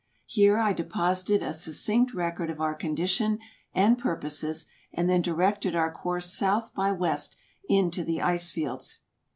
Here I depos ited a succinct record of our condition and purposes, and then directed our course south by west into the ice fields.